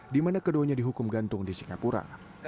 dimana keduanya dihukum gantung di singapura